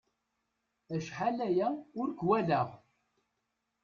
Acḥal aya ur k-walaɣ.